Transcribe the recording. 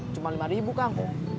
cuma lima ribu kang